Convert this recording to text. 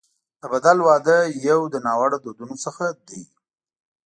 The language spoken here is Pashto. د بدل واده یو له ناوړه دودونو څخه دی.